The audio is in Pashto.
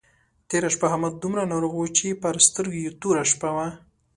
تېره شپه احمد دومره ناروغ وو چې پر سترګو يې توره شپه وه.